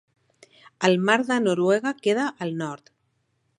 El mar de Noruega queda al nord.